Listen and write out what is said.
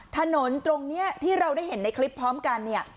ถนนตรงนี้ที่เราได้เห็นในคลิปพร้อมกันเนี่ย